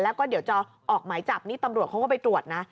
แล้วก็เดี๋ยวจะออกหมายจับนี่ตำรวจเขาก็ไปตรวจนะ